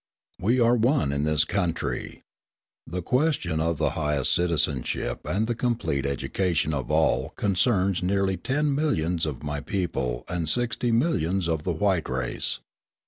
We are one in this country. The question of the highest citizenship and the complete education of all concerns nearly ten millions of my people and sixty millions of the white race.